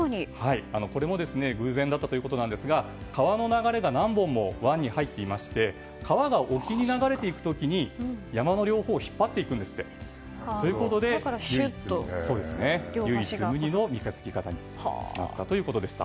これも偶然だったということなんですが川の流れが何本も湾に入っていまして川が沖に流れていく時に山の両方を引っ張っていくんですって。ということで、唯一無二の三日月形になったということでした。